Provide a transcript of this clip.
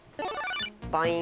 バイン。